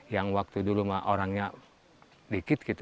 yang waktu dulu orangnya dikit